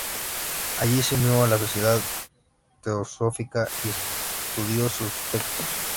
Allí se unió a la Sociedad Teosófica y estudió sus textos.